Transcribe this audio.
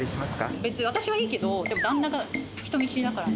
別に私はいいけど、でも、旦那が人見知りだからね。